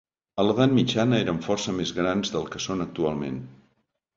A l'edat mitjana eren força més grans del que són actualment.